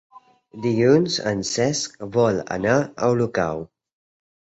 Dilluns en Cesc vol anar a Olocau.